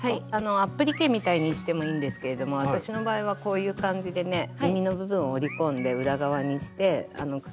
アップリケみたいにしてもいいんですけれども私の場合はこういう感じでねみみの部分を折り込んで裏側にしてかけてみたり。